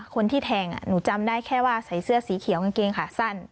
คนที่แทงหนูจำได้แค่ว่าใส่เสื้อสีเขียวกางเกงขาสั้น